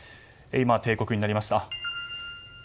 今、定刻になりました。